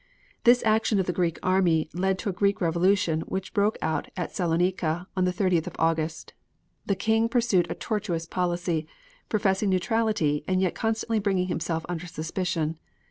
This action of the Greek army led to a Greek revolution which broke out at Saloniki on the 30th of August. The King pursued a tortuous policy, professing neutrality and yet constantly bringing himself under suspicion.